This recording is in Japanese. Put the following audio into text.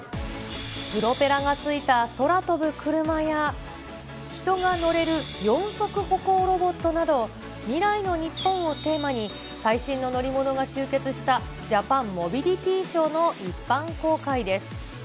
プロペラがついた空飛ぶ車や、人が乗れる四足歩行ロボットなど、未来の日本をテーマに、最新の乗り物が集結したジャパンモビリティショーの一般公開です。